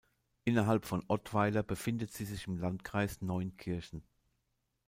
Innerhalb von Ottweiler befindet sie sich im Landkreis Neunkirchen.